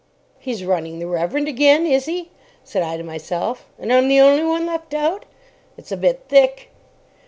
"He's running the Reverend again, is he?" said I to myself. "And I'm the only one left out. It's a bit thick."